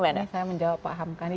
ini saya menjawab pak hamkani